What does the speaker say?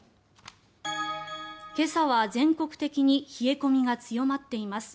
今朝は全国的に冷え込みが強まっています。